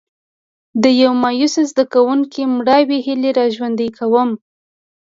د یو مایوسه زده کوونکي مړاوې هیلې را ژوندي کوم.